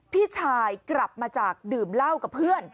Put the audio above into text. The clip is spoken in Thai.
พี่ชายกลับมาจากดื่มเหล้ากับเพื่อน